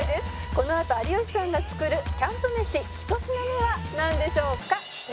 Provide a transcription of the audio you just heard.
「このあと有吉さんが作るキャンプ飯１品目はなんでしょうか？」